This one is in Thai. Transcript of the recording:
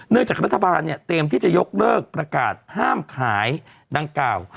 เนื่องจากรัฐบาลเตรียมที่จะยกเลิกประกาศห้ามขายดังกล่าว